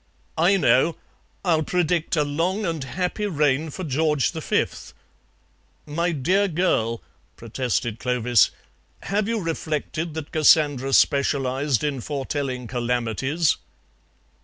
"I know. I'll predict a long and happy reign for George the Fifth." "My dear girl," protested Clovis, "have you reflected that Cassandra specialized in foretelling calamities?"